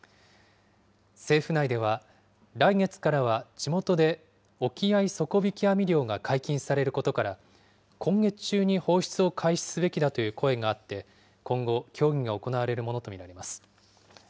政府内では、来月からは地元で沖合底引き網漁が解禁されることから、今月中に放出を開始すべきだという声があって、今後、協議が行われるものと見られます。